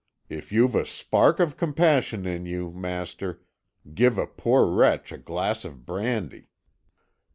If you've a spark of compassion in you, master, give a poor wretch a glass of brandy."